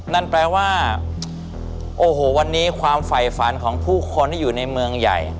นั่นแปลว่าโอ้โหวันนี้ความฝ่ายฝันของผู้คนที่อยู่ในเมืองใหญ่